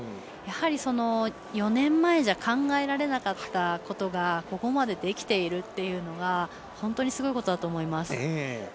やはり、４年前じゃ考えられなかったことがここまでできているというのが本当にすごいことだと思います。